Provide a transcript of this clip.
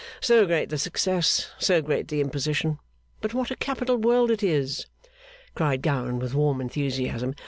So great the success, so great the imposition. But what a capital world it is!' cried Gowan with warm enthusiasm.